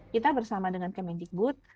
kita bersama dengan kemendikbud